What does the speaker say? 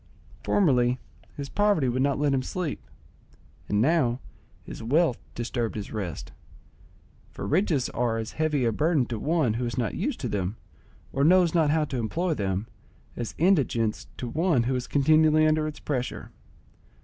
Formerly his poverty would not let him sleep, and now his wealth disturbed his rest; for riches are as heavy a burden to one who is not used to them, or knows not how to employ them, as indigence to one who is continually under its pressure.